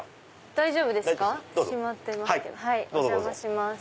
大丈夫ですか？